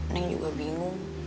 neng juga bingung